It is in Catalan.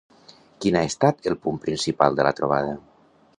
Quin ha estat el punt principal de la trobada?